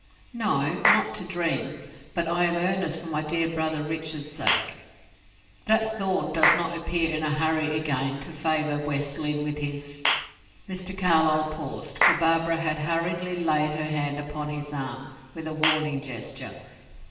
"No, not to dreams; but I am earnest for my dear brother Richard's sake." "That Thorn does not appear in a hurry again to favor West Lynne with his " Mr. Carlyle paused, for Barbara had hurriedly laid her hand upon his arm, with a warning gesture.